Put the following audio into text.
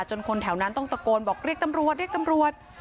จนคนแถวนั้นต้องตะโกนบอกเรียกตำรวจ